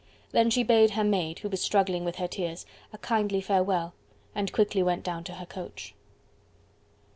Then she bade her maid, who was struggling with her tears, a kindly farewell, and quickly went down to her coach.